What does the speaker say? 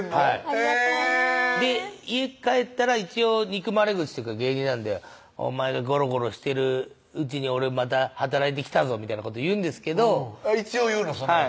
へぇ家帰ったら一応憎まれ口というか芸人なんで「お前がゴロゴロしてるうちに俺また働いてきたぞ」みたいなこと言うんですけど一応言うのそんなこと